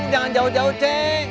jangan jauh jauh seng